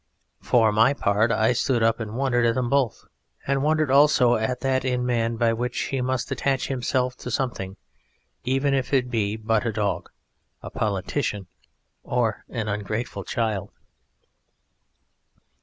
For my part I stood up and wondered at them both, and wondered also at that in man by which he must attach himself to something, even if it be but a dog, a politician, or an ungrateful child.